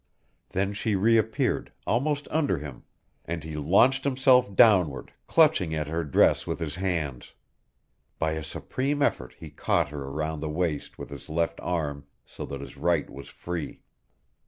Then she reappeared, almost under him, and he launched himself downward, clutching at her dress with his hands. By a supreme effort he caught her around the waist with his left arm, so that his right was free.